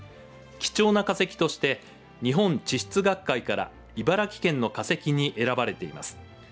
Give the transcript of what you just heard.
貴重な化石として日本地質学会から「茨城県の化石」に選ばれています。